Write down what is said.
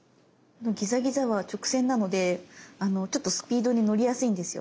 ギザギザは直線なのでちょっとスピードに乗りやすいんですよ。